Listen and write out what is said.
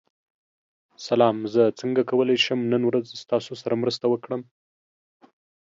سلام، زه څنګه کولی شم نن ورځ ستاسو سره مرسته وکړم؟